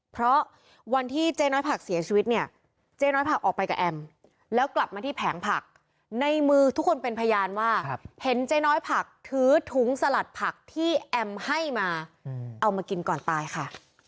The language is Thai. เพราะวันที่เจ๊น้อยผักเสียชีวิตเนี่ยเจ๊น้อยผักออกไปกับแอมแล้วกลับมาที่แผงผักในมือทุกคนเป็นพยานว่าเห็นเจ๊น้อยผักถือถุงสลัดผักที่แอมให้มาเอามากินก่อนตายค่ะ